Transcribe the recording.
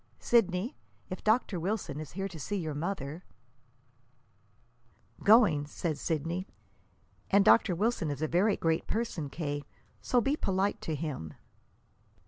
Sidney, if Dr. Wilson is here to see your mother " "Going," said Sidney. "And Dr. Wilson is a very great person, K., so be polite to him."